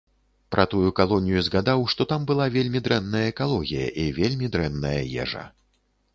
Пра тую калонію згадаў, што там была вельмі дрэнная экалогія і вельмі дрэнная ежа.